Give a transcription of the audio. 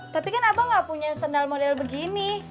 tapi kan abang nggak punya sendal model begini